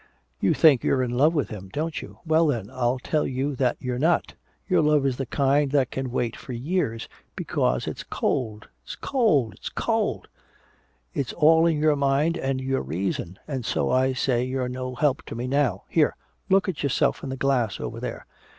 You think you're in love with him, don't you? Well then, I'll tell you that you're not your love is the kind that can wait for years because it's cold, it's cold, it's cold it's all in your mind and your reason! And so I say you're no help to me now! Here look at yourself in the glass over there!